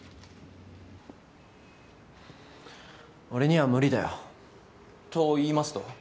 俺には無理だよ。と言いますと？